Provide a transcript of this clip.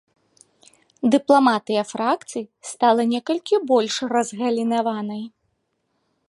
Дыпламатыя фракцый стала некалькі больш разгалінаванай.